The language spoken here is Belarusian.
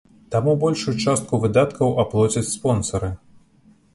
Таму большую частку выдаткаў аплоцяць спонсары.